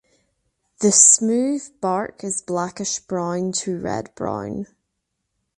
The smooth bark is blackish brown to red brown.